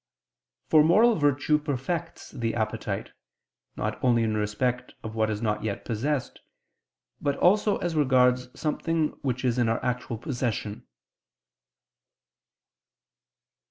For moral virtue perfects the appetite, not only in respect of what is not yet possessed, but also as regards something which is in our actual possession.